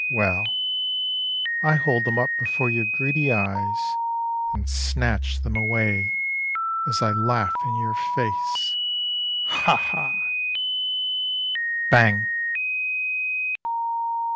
Well, I hold them up before your greedy eyes, And snatch them away as I laugh in your face, Ha! Ha! Bang